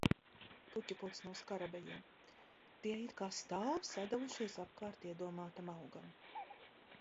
Puķupods no skarabejiem. Tie it kā stāv, sadevušies apkārt iedomātam augam.